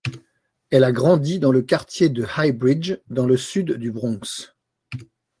Elle a grandi dans le quartier de Highbridge dans le sud du Bronx.